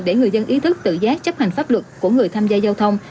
để người dân ý thức tự giác chấp hành pháp luật của người tham gia giao thông